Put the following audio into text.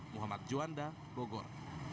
muhammad juanda bogor